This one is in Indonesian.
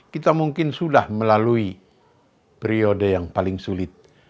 kita mungkin sudah melalui periode yang paling sulit